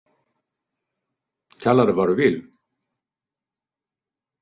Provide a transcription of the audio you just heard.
Kalla det vad du vill.